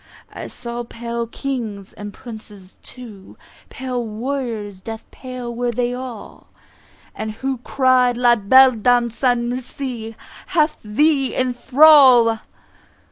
I saw pale Kings, and Princes too, Pale warriors, death pale were they all; Who cry'd "La belle Dame sans merci Hath thee in thrall!"